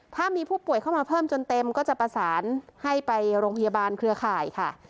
ถ้ามีผู้ป่วยเข้ามาเพิ่มจนเต็มก็จะประสานให้ไปโรงพยาบาลเครือข่ายค่ะ